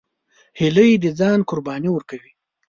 هیلۍ د ځان قرباني ورکوي